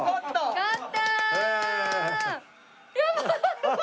勝った！